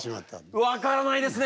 分からないですね